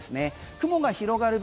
雲が広がる分